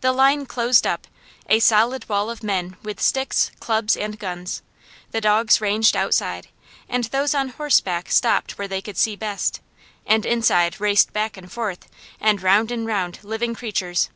The line closed up, a solid wall of men with sticks, clubs and guns; the dogs ranged outside, and those on horseback stopped where they could see best; and inside, raced back and forth, and round and round, living creatures.